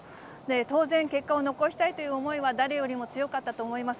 当然、結果を残したいという思いは、誰よりも強かったと思います。